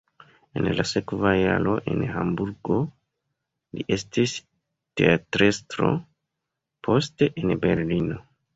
En la sekva jaro en Hamburgo li estis teatrestro, poste en Berlino.